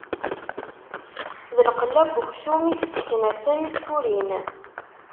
D lqella n uksum, i yesseknafen turin.